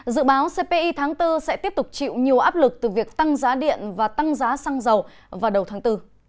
dự báo cpi tháng bốn sẽ tiếp tục chịu nhiều áp lực từ việc tăng giá điện và tăng giá xăng dầu vào đầu tháng bốn